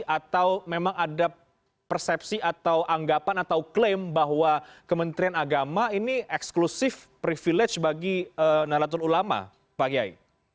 atau memang ada persepsi atau anggapan atau klaim bahwa kementerian agama ini eksklusif privilege bagi nalatul ulama pak kiai